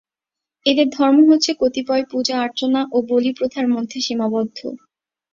এদের ধর্ম হচ্ছে কতিপয় পূজা-অর্চনা ও বলি প্রথার মধ্যে সীমাবদ্ধ।